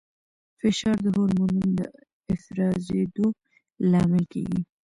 فشار د هورمونونو د افرازېدو لامل کېږي.